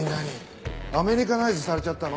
アメリカナイズされちゃったの？